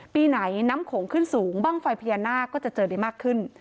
ปีไหนน้ำโขงขึ้นสูงบ้างไฟพญานาคก็จะเจอได้มากขึ้น